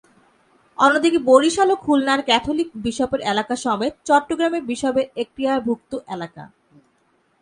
অন্যদিকে বরিশাল ও খুলনার ক্যাথলিক বিশপের এলাকা সমেত চট্টগ্রামের বিশপের এক্তিয়ারভুক্ত এলাকা।